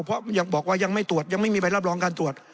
เพราะยังบอกว่ายังไม่ตรวจยังไม่มีใบรับรองการตรวจ